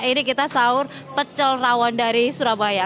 ini kita sahur pecel rawon dari surabaya